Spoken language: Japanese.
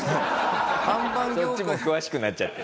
そっちも詳しくなっちゃってる。